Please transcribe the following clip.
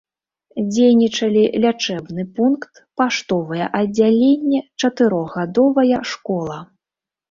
Дзейнічалі лячэбны пункт, паштовае аддзяленне, чатырохгадовая школа.